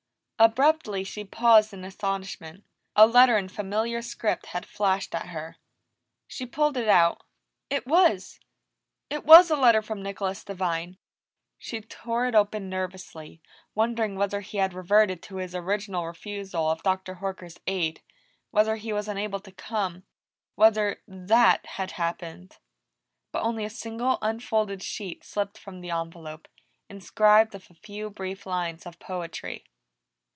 Abruptly she paused in astonishment a letter in familiar script had flashed at her. She pulled it out; it was! It was a letter from Nicholas Devine! She tore it open nervously, wondering whether he had reverted to his original refusal of Dr. Horker's aid, whether he was unable to come, whether that had happened. But only a single unfolded sheet slipped from the envelope, inscribed with a few brief lines of poetry.